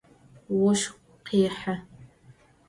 Voşsu khêxı.